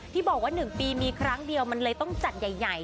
ที่บอกว่า๑ปีมีครั้งเดียวมันเลยต้องจัดใหญ่